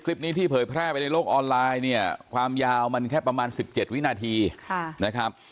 คลิปนี้ที่เผยแพร่ไปในโลกออนไลน์เนี่ยความยาวมันแค่ประมาณ๑๗วินาทีนะครับ